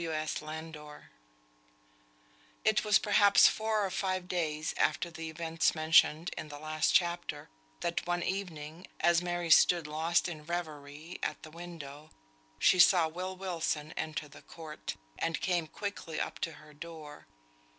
W. S. LANDOR. It was perhaps four or five days after the events mentioned in the last chapter, that one evening, as Mary stood lost in reverie at the window, she saw Will Wilson enter the court, and come quickly up to her door.